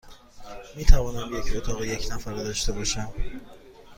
می توانم یک اتاق یک نفره داشته باشم؟